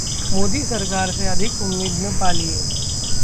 मोदी सरकार से अधिक उम्मीद न पालिए